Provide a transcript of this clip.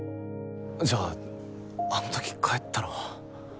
じゃああの時帰ったのは。